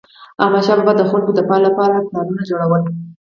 احمدشاه بابا به د خلکو د فلاح لپاره پلانونه جوړول.